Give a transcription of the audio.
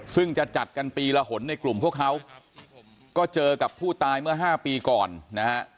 ซึ่งจะจัดกันปีละหนในกลุ่มพวกเขาก็เจอกับผู้ตายเมื่อ๕ปีก่อนนะฮะ